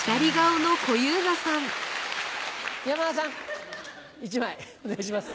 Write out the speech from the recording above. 山田さん１枚お願いします。